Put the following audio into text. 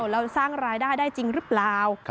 แล้วสร้างรายได้ได้จริงหรือเปล่า